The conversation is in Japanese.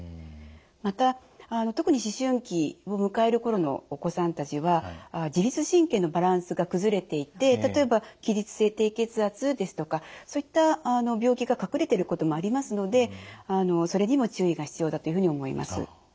また特に思春期を迎える頃のお子さんたちは自律神経のバランスが崩れていて例えば起立性低血圧ですとかそういった病気が隠れてることもありますのでそれにも注意が必要だというふうに思います。